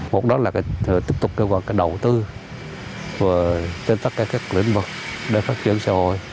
một đó là tiếp tục kêu gọi cái đầu tư trên tất cả các lĩnh vực để phát triển xã hội